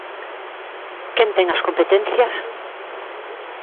¿Quen ten as competencias?